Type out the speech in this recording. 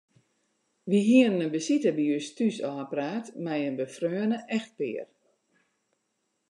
Wy hiene in besite by ús thús ôfpraat mei in befreone echtpear.